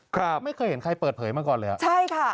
ครับไม่เคยเห็นใครเปิดเผยมาก่อนเลยอ่ะใช่ค่ะ